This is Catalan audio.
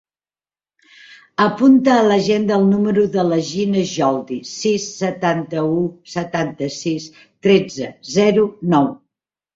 Apunta a l'agenda el número de la Gina Yoldi: sis, setanta-u, setanta-sis, tretze, zero, nou.